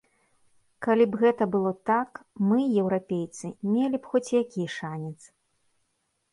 Калі б гэта было так, мы, еўрапейцы, мелі б хоць які шанец.